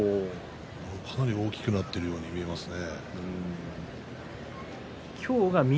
かなり大きくなっているように見えますね。